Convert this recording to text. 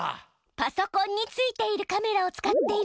パソコンについているカメラを使っているの。